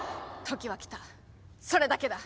時は来たそれだけだ！！